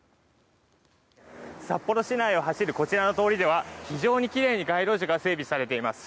札幌市内を走るこちらの通りでは非常にきれいに街路樹が整備されています。